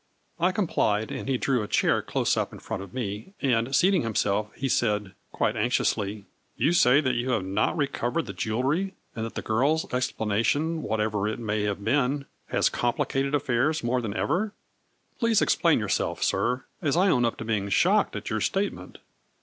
I complied, and he drew a chair close up in front of me, and, seating himself he said, quite anxiously : "You say that you have not recovered the jewelry and that the girl's explanation, what ever it may have been, has complicated affairs more than ever ? Please explain yourself, sir, as I own up to being shocked at your state ment.